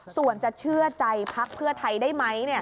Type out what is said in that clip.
ส่วนจะเชื่อใจพักเพื่อไทยได้ไหม